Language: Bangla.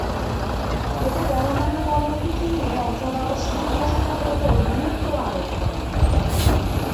এতে পরমাণু কর্মসূচি নিয়ে অচলাবস্থা নিরসনের ওপর গুরুত্ব আরোপ করা হয়।